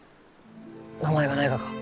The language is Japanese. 名前がないがか？